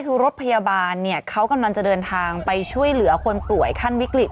คือรถพยาบาลเนี่ยเขากำลังจะเดินทางไปช่วยเหลือคนป่วยขั้นวิกฤต